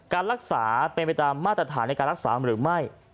การรักษาเป็นไปตามมาตรฐานในการรักษาหรือไม่